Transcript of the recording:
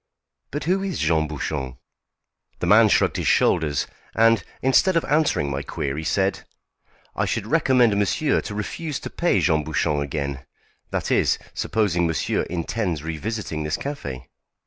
"But who is Jean Bouchon?" The man shrugged his shoulders, and, instead of answering my query, said: "I should recommend monsieur to refuse to pay Jean Bouchon again that is, supposing monsieur intends revisiting this café."